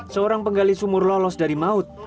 seorang penggali sumur lolos dari maut